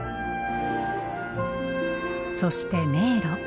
そして迷路。